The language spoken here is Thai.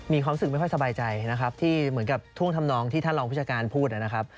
มีความรู้สึกไม่ค่อยสบายใจนะครับที่เหมือนกับท่วงทำนองที่ท่านรองผู้จัดการพูดนะครับ